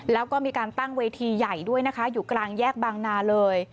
แล้วก็มีการตั้งเวทีใหญ่ด้วยนะคะอยู่กลางแยกบางนาเลย